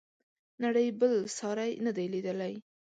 نړۍ بل ساری نه دی لیدلی.